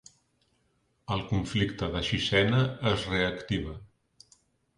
El conflicte de Sixena es reactiva